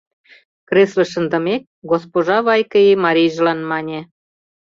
— креслыш шындымек, госпожа Вайкаи марийжылан мане.